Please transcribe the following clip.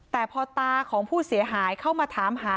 แต่พอตาของผู้เสียหายเข้ามาถามหา